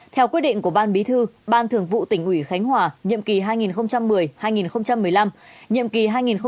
theo quyết định của ban bí thư ban thường vụ tỉnh ủy khánh hòa nhiệm kỳ hai nghìn một mươi hai nghìn một mươi năm nhiệm kỳ hai nghìn hai mươi hai nghìn hai mươi